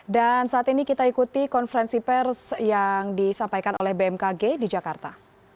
dan saat ini kita ikuti konferensi pers yang disampaikan oleh bmkg di jakarta